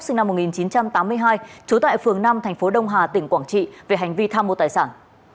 sinh năm một nghìn chín trăm tám mươi hai trú tại phường năm thành phố đông hà tỉnh quảng trị về hành vi tham mô tài sản